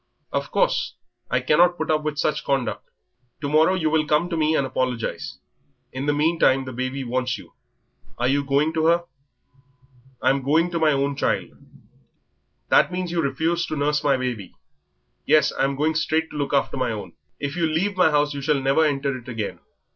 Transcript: Of course, I cannot put up with such conduct to morrow you will come to me and apologise. In the meantime the baby wants you, are you not going to her?" "I'm going to my own child." "That means that you refuse to nurse my baby?" "Yes, I'm going straight to look after my own." "If you leave my house you shall never enter it again."